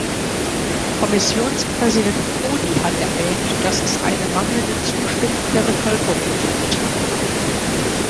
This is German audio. Kommissionspräsident Prodi hat erwähnt, dass es eine mangelnde Zustimmung der Bevölkerung gibt.